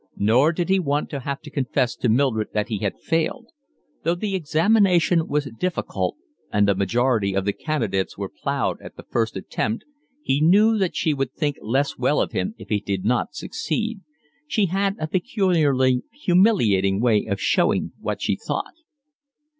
Nor did he want to have to confess to Mildred that he had failed: though the examination was difficult and the majority of candidates were ploughed at the first attempt, he knew that she would think less well of him if he did not succeed; she had a peculiarly humiliating way of showing what she thought.